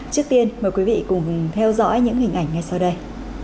trước tiên mời quý vị cùng theo dõi những hình ảnh ngay sau đây